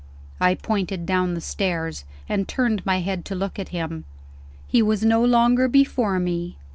I pointed down the stairs, and turned my head to look at him. He was no longer before me.